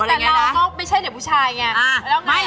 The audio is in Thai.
แต่เราก็ไม่ใช่เด็กผู้ชายไง